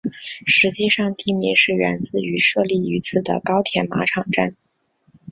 实际上地名是源自于设立于此的高田马场站。